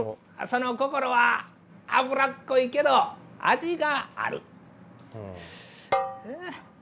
そのこころは脂っこいけど味がある。